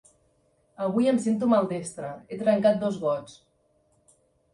Avui em sento maldestre; he trencat dos gots.